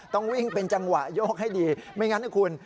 ต้องวิ่งเป็นจังหวะโยกให้ดีไม่งั้นนะคุณ